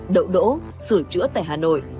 đậu đỗ sửa chữa tại hà nội